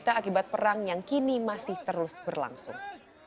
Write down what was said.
berita akibat perang yang kini masih terus berlangsung